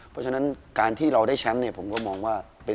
เพราะฉะนั้นการที่เราได้แชมป์